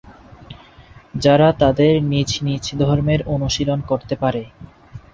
যারা তাদের নিজ নিজ ধর্মের অনুশীলন করতে পারে।